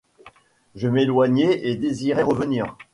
Je m'éloignais et désirais revenir.